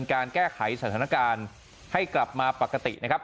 การแก้ไขสถานการณ์ให้กลับมาปกตินะครับ